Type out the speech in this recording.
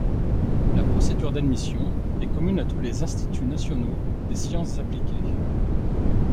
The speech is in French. La procédure d’admission est commune à tous les instituts nationaux des sciences appliquées.